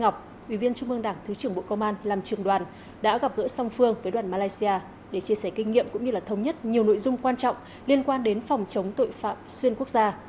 nguyễn ngọc ủy viên trung mương đảng thứ trưởng bộ công an làm trường đoàn đã gặp gỡ song phương với đoàn malaysia để chia sẻ kinh nghiệm cũng như thống nhất nhiều nội dung quan trọng liên quan đến phòng chống tội phạm xuyên quốc gia